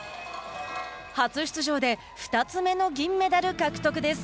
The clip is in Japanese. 初出場で２つ目の銀メダル獲得です。